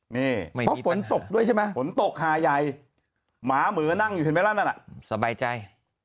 นี่เพราะฝนตกด้วยใช่ไหมฝนตกหาใหญ่หมาเหมือนั่งอยู่เห็นไหมล่ะนั่นน่ะสบายใจ